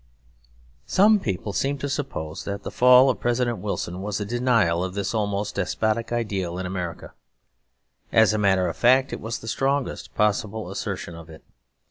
Some people seem to suppose that the fall of President Wilson was a denial of this almost despotic ideal in America. As a matter of fact it was the strongest possible assertion of it.